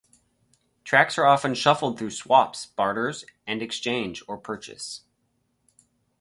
Tracts are often shuffled through swaps, barters and exchange, or purchase.